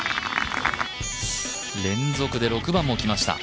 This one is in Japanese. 連続で６番もきました。